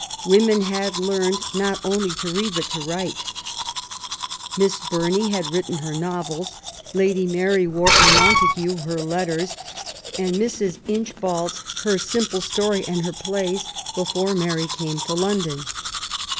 Women had learned not only to read, but to write. Miss Burney had written her novels, Lady Mary Wortley Montagu her Letters, and Mrs. Inchbald her Simple Story and her plays, before Mary came to London.